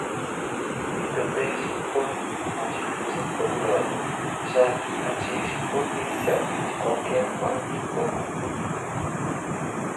E também supõe uma difusão poderosa, já que atinge potencialmente qualquer parte do mundo.